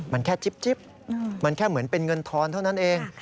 มันแค่จิ๊บแม้เหมือนเงินทอนเท่านั้นเอง